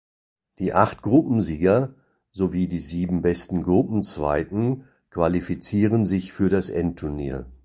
Die acht Gruppensieger sowie die sieben besten Gruppenzweiten qualifizieren sich für das Endturnier.